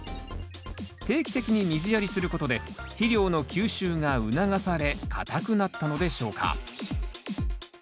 定期的に水やりすることで肥料の吸収が促され硬くなったのでしょうか？